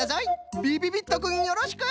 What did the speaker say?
びびびっとくんよろしく！